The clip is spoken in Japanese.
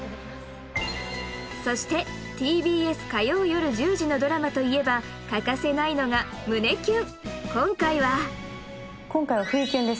そしてＴＢＳ火曜夜１０時のドラマといえば欠かせないのが胸キュン